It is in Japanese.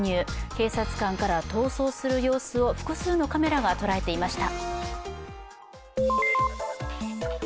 警察官から逃走する様子を複数のカメラが捉えていました。